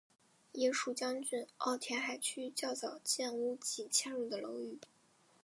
也属将军澳填海区较早建屋及迁入的楼宇。